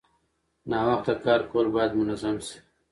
ناوخته کار کول باید منظم شي.